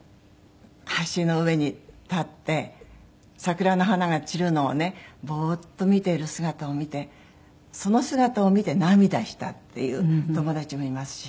橋の上に立って桜の花が散るのをねボーッと見ている姿を見てその姿を見て涙したっていう友達もいますし。